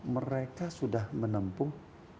mereka sudah menempuh